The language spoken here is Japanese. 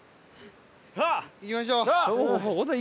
行きましょう。